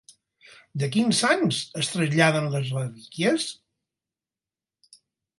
De quins sants es traslladen les relíquies?